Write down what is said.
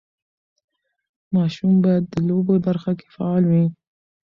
ماشوم باید د لوبو برخه کې فعال وي.